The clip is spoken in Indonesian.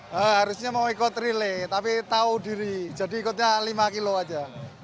harusnya mau ikut relay tapi tahu diri jadi ikutnya lima kilo aja